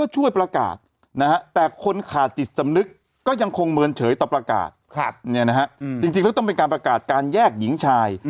จริงแล้วต้องเป็นการประกาศการแยกหญิงชาย